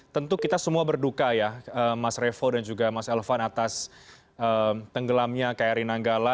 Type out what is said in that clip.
tentu kita semua berduka ya mas revo dan juga mas elvan atas tenggelamnya kri nanggala